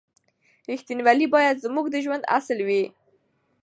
رښتینولي باید زموږ د ژوند اصل وي.